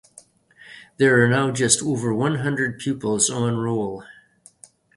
There are now just over one hundred pupils on roll.